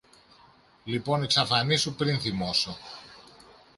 Λοιπόν εξαφανίσου πριν θυμώσω.